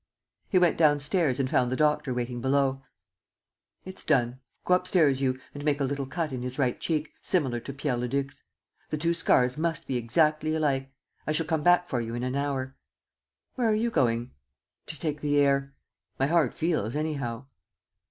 He went downstairs and found the doctor waiting below: "It's done. Go upstairs, you, and make a little cut in his right cheek, similar to Pierre Leduc's. The two scars must be exactly alike. I shall come back for you in an hour." "Where are you going?" "To take the air. My heart feels anyhow."